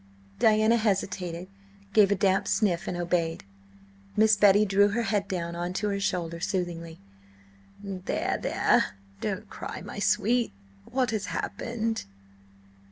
Diana hesitated, gave a damp sniff, and obeyed. Miss Betty drew her head down on to her shoulder soothingly. "There, there! Don't cry, my sweet! What has happened?"